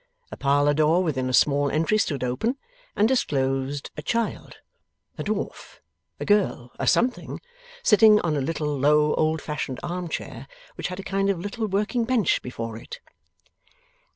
A parlour door within a small entry stood open, and disclosed a child a dwarf a girl a something sitting on a little low old fashioned arm chair, which had a kind of little working bench before it.